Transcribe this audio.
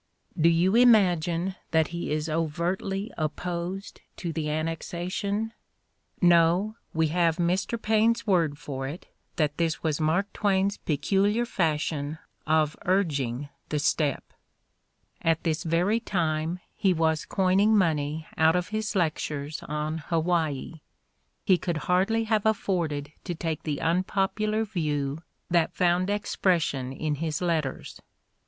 Do you imagine that he is overtly opposed to the annexation? No, we have Mr. Paine 's word for it that this was Mark Twain's peculiar fashion of urging 140 The Ordeal of Mark Twain the step. At this very time he was coining money out of his lectures on Hawaii : he could hardly have afforded to take the unpopular view that found expression in his letters.